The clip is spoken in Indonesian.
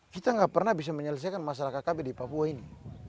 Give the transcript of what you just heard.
kita nggak pernah bisa menyelesaikan masalah kkb di papua ini